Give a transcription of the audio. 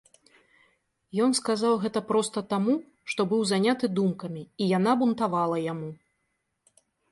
Ён сказаў гэта проста таму, што быў заняты думкамі і яна бунтавала яму.